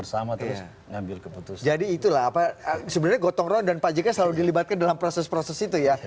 jadi itu lah apa sebenarnya gotong ron dan pak jk selalu dilibatkan dalam proses proses itu ya